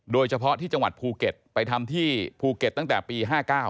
โดยเฉพาะที่จังหวัดภูเก็ตไปทำที่ภูเก็ตตั้งแต่ปี๕๙